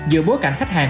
dựa bối cảnh khách hàng